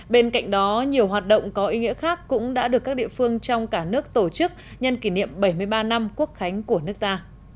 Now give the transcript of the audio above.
bên cạnh đó nhiều hoạt động có ý nghĩa khác cũng đã được các địa phương trong cả nước tổ chức nhân kỷ niệm bảy mươi ba năm quốc khánh của nước ta